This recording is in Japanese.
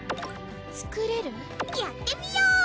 作れる？やってみよ！